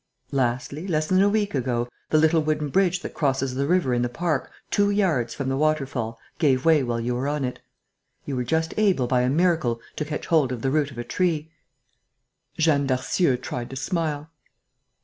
"Lastly, less than a week ago, the little wooden bridge that crosses the river in the park, two yards from the waterfall, gave way while you were on it. You were just able, by a miracle, to catch hold of the root of a tree." Jeanne Darcieux tried to smile.